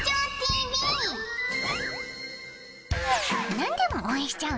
何でも応援しちゃう